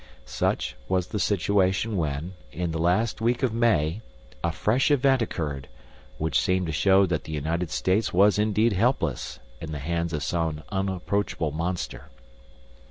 Such was the situation when, in the last week of May, a fresh event occurred, which seemed to show that the United States was indeed helpless in the hands of some unapproachable monster.